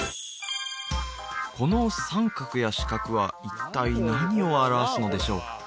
この三角や四角は一体何を表すのでしょう？